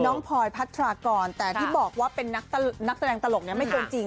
น้องพลอยพัดทรากรแต่ที่บอกว่าเป็นนักตลกนักแสดงตลกเนี้ยไม่จนจริง